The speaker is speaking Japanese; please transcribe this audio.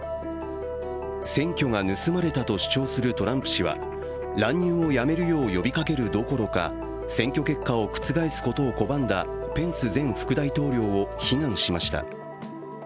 選挙が盗まれたと主張するトランプ氏は乱入をやめるよう呼びかけるどころか選挙結果を覆すことを拒んだペンス副大統領を非難しました。